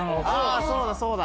あそうだそうだ。